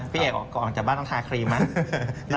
พี่เอกก่อนออกจากบ้านต้องทาครีมไหม